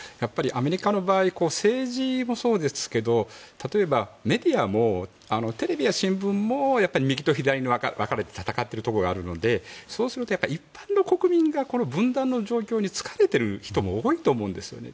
アメリカの場合政治もそうですけど例えばメディアもテレビや新聞も右と左に分かれて戦っているところがあるのでそうすると一般の国民が分断の状況に疲れてる人も多いと思うんですね。